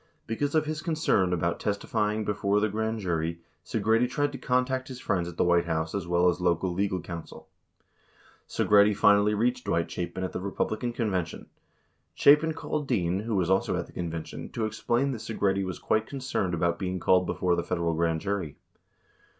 Because of his concern about testifying before the grand jury, Segretti tried to contact his friends at the White House as well as local legal counsel. Segretti finally reached Dwight Chapin at the Republican Conven tion. Chapin called Dean, who was also at the convention, to explain that Segretti was quite concerned about being called before the Federal grand jury.